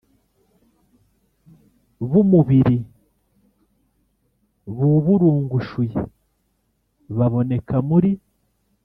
Bumubiri buburungushuye baboneka muri